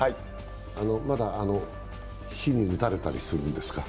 まだ火に打たれたりするんですか？